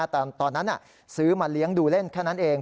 แต่ตอนนั้นซื้อมาเลี้ยงดูเล่นแค่นั้นเอง